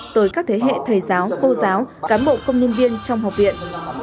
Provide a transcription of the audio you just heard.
tới các thế hệ thầy giáo cô giáo cán bộ công nhân viên trong học viện